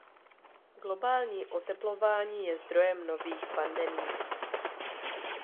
Globální oteplování je zdrojem nových pandemií.